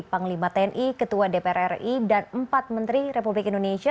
panglima tni ketua dpr ri dan empat menteri republik indonesia